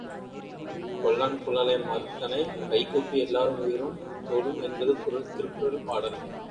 கொல்லான் புலாலை மறுத்தனைக் கைகூப்பி எல்லா உயிரும் தொழும் என்பது திருக்குறள் பாடல்.